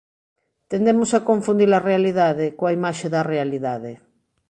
Tendemos a confundir a realidade coa imaxe da realidade.